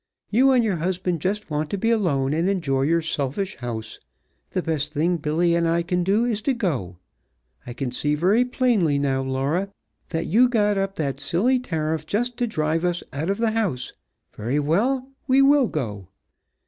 You and your husband just want to be alone and enjoy your selfish house. The best thing Billy and I can do is to go. I can see very plainly now, Laura, that you got up that silly tariff just to drive us out of the house. Very well, we will go!"